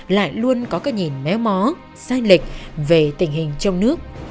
lại luôn có cái nhìn méo mó sai lệch về tình hình trong nước